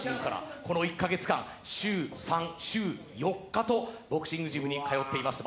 この１カ月間、週３、週４日とボクシングジムに通っています。